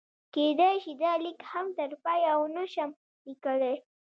کېدای شي دا لیک هم تر پایه ونه شم لیکلی.